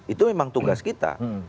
itu memang tugas kita